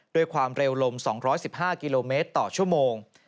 ด้วยความเร็วลม๒๑๕กิโลเมตรต่อชั่วโมง